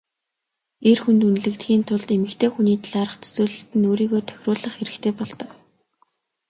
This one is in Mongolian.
Эр хүнд үнэлэгдэхийн тулд эмэгтэй хүний талаарх төсөөлөлд нь өөрийгөө тохируулах хэрэгтэй болдог.